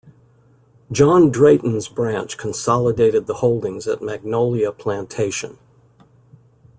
John Drayton's branch consolidated the holdings at Magnolia Plantation.